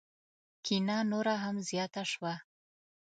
کینه نوره هم زیاته شوه.